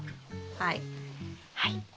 はい。